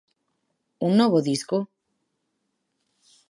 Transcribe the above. Un novo disco?